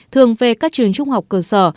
thường về các trường trung học cơ sở